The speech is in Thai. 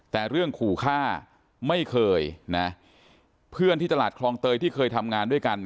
แต่เรื่องขู่ฆ่าไม่เคยนะเพื่อนที่ตลาดคลองเตยที่เคยทำงานด้วยกัน